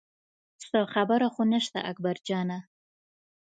څه خبره خو نه شته اکبر جانه.